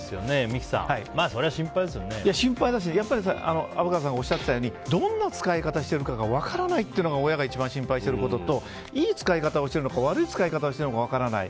三木さん心配だし、虻川さんがおっしゃったようにどんな使い方してるかが分からないというのが親が一番心配してることといい使い方をしているのか悪い使い方をしているのか分からない。